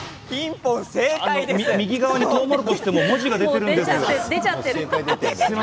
右側にとうもろこしという文字が出ていますよ。